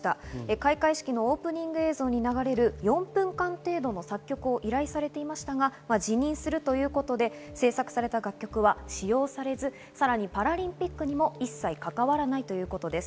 開会式のオープニング映像に流れる４分間程度の作曲を依頼されていましたが、辞任するということで制作された楽曲は使用されず、パラリンピックにも一切かかわらないということです。